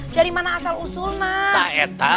dari mana asal usul nak